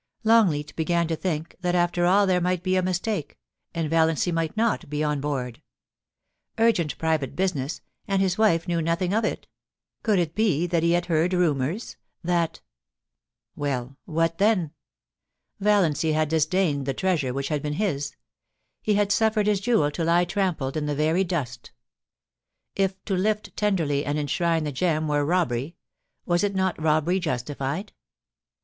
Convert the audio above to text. Longleat began to think that after all there might be a mistake, and Valiancy might not be on board Urgent private business, and his wife knew nothing of it 1 Could it be that he had heard rumours? — that Well — what 294 , POLICY AND PASSION. then ? Valiancy had disdained the treasure which had been his. He had suffered his jewel to lie trampled in the very dust If to lift tenderly and enshrine the gem were robbery — ^was it not robbery justified?